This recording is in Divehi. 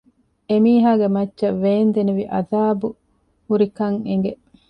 އެމީހާގެ މައްޗަށް ވޭންދެނިވި ޢަޛާބު ހުރިކަން އެނގެ